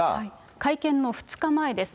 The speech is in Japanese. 会見の２日前です。